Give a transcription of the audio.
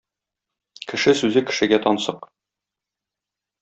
Кеше сүзе кешегә тансык.